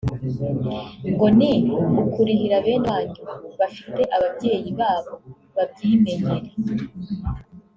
ngo ni ukurihira bene wanyu bafite ababyeyi babo babyimenyere”